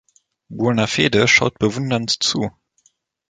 Buonafede schaut bewundernd zu.